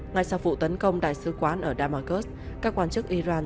ngay sau vụ tấn công đại sứ quán ở damasurs các quan chức iran